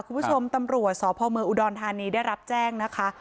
คุณผู้ชมตำรวจสพเมืองอุดรธานีได้รับแจ้งนะคะ